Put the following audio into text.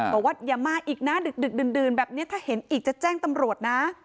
บอกว่าอย่ามาอีกนะดึกดื่นแบบนี้ถ้าเห็นอีกจะแจ้งตำรวจนะ